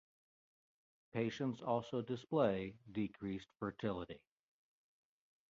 Patients also display decreased fertility.